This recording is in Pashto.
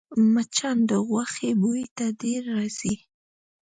مچان د غوښې بوی ته ډېر راځي